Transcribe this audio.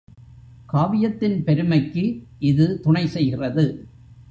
காவியத்தின் பெருமைக்கு இது துணை செய்கிறது.